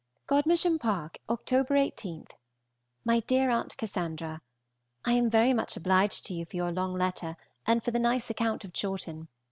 GODMERSHAM PARK, Oct. 18. MY DEAR AUNT CASSANDRA, I am very much obliged to you for your long letter and for the nice account of Chawton.